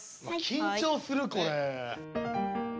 緊張するこれ。